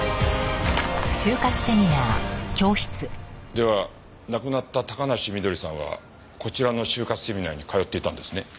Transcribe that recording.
では亡くなった高梨翠さんはこちらの終活セミナーに通っていたんですね？